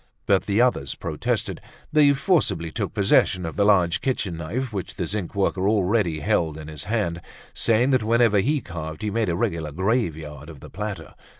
But the others protested; they forcibly took possession of the large kitchen knife which the zinc worker already held in his hand, saying that whenever he carved he made a regular graveyard of the platter.